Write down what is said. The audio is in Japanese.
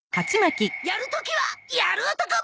やるときはやるおとこ！